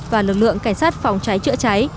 và lực lượng cảnh sát phòng cháy chữa cháy